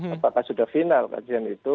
apakah sudah final kajian itu